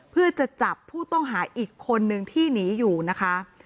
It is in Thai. เพื่อจะจับผู้ต้องหาอีกคนนึงที่หนีอยู่นะคะ